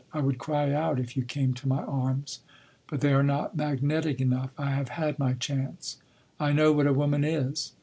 I would cry out if you came to my arms, but they are not magnetic enough. I have had my chance. I know what a woman is.